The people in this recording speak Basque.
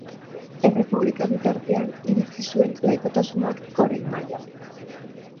Errepublika bitartean iritsi zuen laikotasunak goren maila.